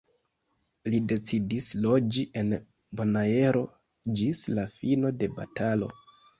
Li decidis loĝi en Bonaero ĝis la fino de batalo.